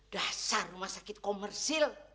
dasar rumah sakit komersil